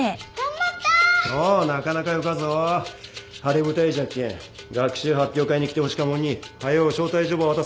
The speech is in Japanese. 晴れ舞台じゃっけん学習発表会に来てほしかもんにはよ招待状ば渡さんばね。